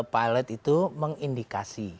pilot itu mengindikasi